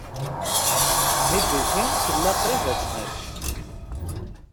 Mi d-ukin, tella qrib d ttnac.